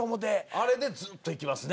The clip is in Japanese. あれでずっといきますね